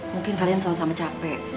mungkin kalian sama sama capek